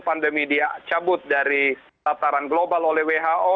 pandemi dicabut dari tataran global oleh who